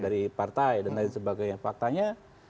dari partai dan lain sebagainya faktanya